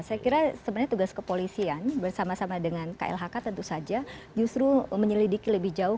saya kira sebenarnya tugas kepolisian bersama sama dengan klhk tentu saja justru menyelidiki lebih jauh